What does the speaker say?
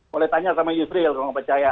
boleh tanya sama yusril kalau nggak percaya